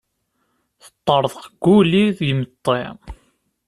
Teṭṭerḍeq Guli d imeṭṭi.